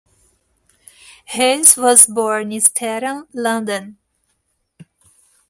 Hayes was born in Streatham, London.